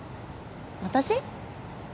私？